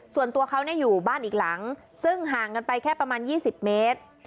ส่วนตัวเขาอยู่บ้านอีกหลังซึ่งห่างกันไปแค่ประมาณ๒๐เมตร